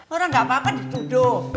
orang gak apa apa dituduh